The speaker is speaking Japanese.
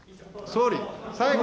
総理。